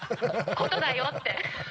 ことだよって。